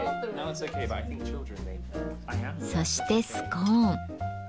そしてスコーン。